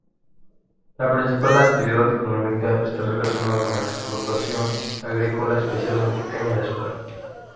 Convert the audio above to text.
La principal actividad económica está relacionada con la explotación agrícola, especialmente caña de azúcar.